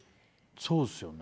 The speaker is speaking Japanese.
そうですよね。